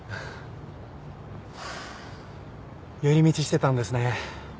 寄り道してたんですね。